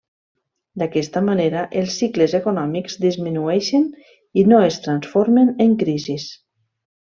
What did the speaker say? D'aquesta manera, els cicles econòmics disminueixen i no es transformen en crisis.